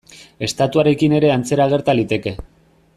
Estatuarekin ere antzera gerta liteke.